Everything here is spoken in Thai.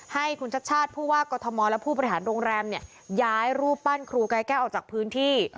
ให้คุณชัดชาติผู้ว่ากรทมและผู้บริหารโรงแรมย้ายรูปปั้นครูกายแก้วออกจากพื้นที่